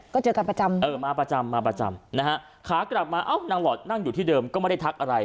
ก็เจอกันประจำเออมาประจำมาประจำนะฮะขากลับมาเอ้านางหลอดนั่งอยู่ที่เดิมก็ไม่ได้ทักอะไร